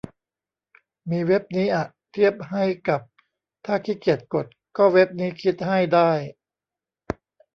มีเว็บนี้อะเทียบให้กับถ้าขี้เกียจกด ก็เว็บนี้คิด ให้ได้